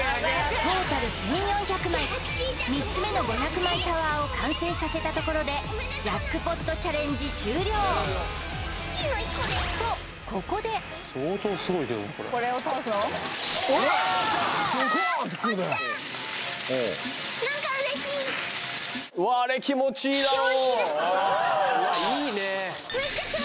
トータル１４００枚３つ目の５００枚タワーを完成させたところでジャックポットチャレンジ終了とうわっああいいねあうわ